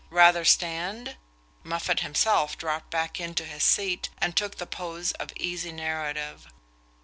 "Rather stand?..." Moffatt himself dropped back into his seat and took the pose of easy narrative.